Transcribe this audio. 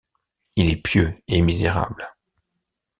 Il est pieux et misérable.